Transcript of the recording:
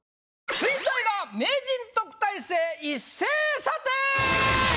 「水彩画名人・特待生一斉査定」！